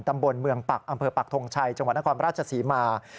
ตำบลเมืองปักอำเภอปักทงชัยจังหวัดนครราชศรีมา